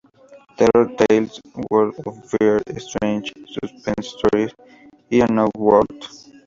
Terror Tales", "Worlds of Fear", "Strange Suspense Stories" y "Unknown World".